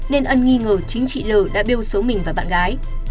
nên ân nghi ngờ chính chị l đã bêu xấu mình và bạn gái